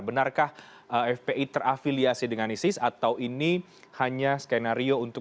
benarkah fpi terafiliasi dengan isis atau ini hanya skenario untuk